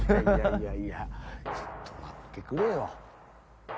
いやいやちょっと待ってくれよ。